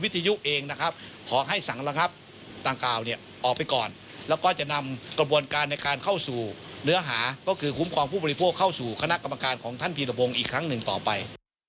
ขอให้สังระงับต่างกล่าวเนี่ยออกไปก่อนแล้วก็จะนำกระบวนการในการเข้าสู่เนื้อหาก็คือคุ้มครองผู้บริโภคเข้าสู่คณะกรรมการของท่านพีรพงศ์อีกครั้งหนึ่งต่อไป